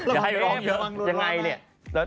จะให้ร้องเยอะยังไงเนี่ย